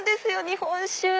日本酒。